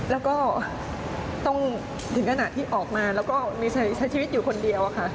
แล้วก็ต้องถึงขนาดที่ออกมาแล้วก็มีใช้ชีวิตอยู่คนเดียวค่ะ